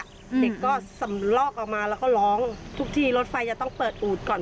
เด็กก็สำลอกออกมาแล้วก็ร้องทุกที่รถไฟจะต้องเปิดอูดก่อน